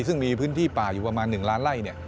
ซึ่งมีพื้นที่ป่าอยู่ประมาณ๑ล้านไล่